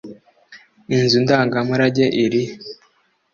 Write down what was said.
inzu ndangamurage iri he